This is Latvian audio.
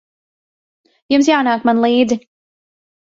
Jums jānāk man līdzi.